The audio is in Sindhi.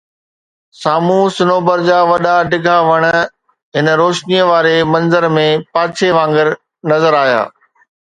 سامهون صنوبر جا وڏا ڊگها وڻ هن روشنيءَ واري منظر ۾ پاڇي وانگر نظر آيا